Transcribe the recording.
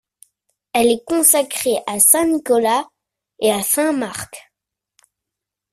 Elle est consacrée à saint Nicolas et à saint Marc.